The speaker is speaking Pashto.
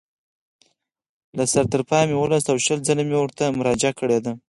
له سره تر پایه مې ولوست او شل ځله مې ورته مراجعه کړې ده.